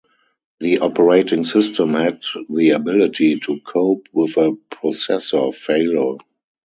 The operating system had the ability to cope with a processor failure.